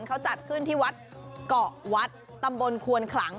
เขาจัดขึ้นที่วัดเกาะวัดตำบลควนขลัง